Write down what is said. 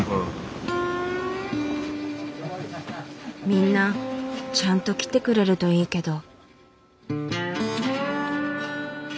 みんなちゃんと来てくれるといいけど。